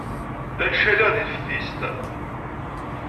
La ttcaliɣ deg teftist.